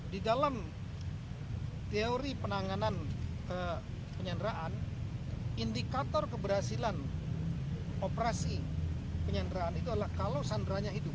di dalam teori penanganan penyanderaan indikator keberhasilan operasi penyanderaan itu adalah kalau sanderanya hidup